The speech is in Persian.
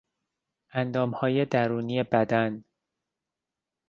اندامهای درونی بدن